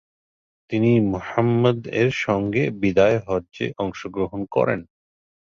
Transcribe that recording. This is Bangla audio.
তিনি মুহাম্মাদ এর সঙ্গে বিদায় হজ্বে অংশগ্রহণ করেন।